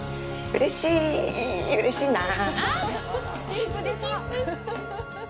うれしいな。